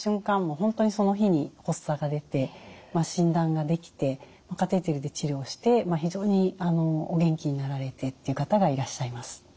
本当にその日に発作が出て診断ができてカテーテルで治療して非常にお元気になられてっていう方がいらっしゃいます。